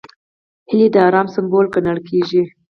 هیلۍ د ارام سمبول ګڼل کېږي